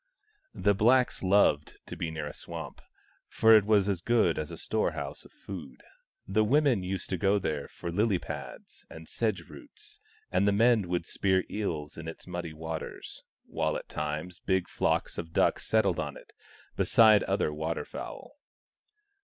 The blacks loved to be near a swamp, for it was as good as a storehouse of food : the women used to go there for lily pads and sedge roots, and the men would spear eels in its muddy waters, while at times big flocks of duck settled on it, besides other water fowl.